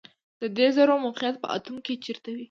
د دې ذرو موقعیت په اتوم کې چیرته وي